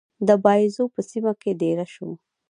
د باییزو په سیمه کې دېره شو.